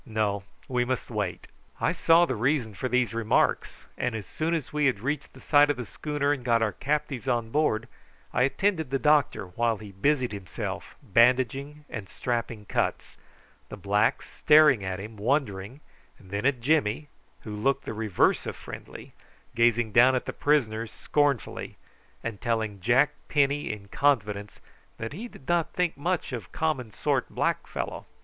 "No; we must wait." I saw the reason for these remarks; and as soon as we had reached the side of the schooner and got our captives on board I attended the doctor while he busied himself bandaging and strapping cuts, the blacks staring at him wondering, and then at Jimmy, who looked the reverse of friendly, gazing down at the prisoners scornfully, and telling Jack Penny in confidence that he did not think much of common sort black fellow.